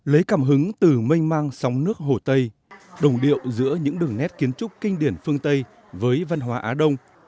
lấy cảm hứng từ mênh mang sóng nước hồ tây đồng điệu giữa những đường nét kiến trúc kinh điển phương tây với văn hóa á đông